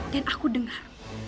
dan aku dengar